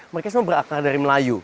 mereka semua berakar dari melayu